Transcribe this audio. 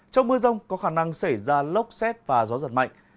trong mưa rông có khả năng xảy ra lốc xét và gió giật mạnh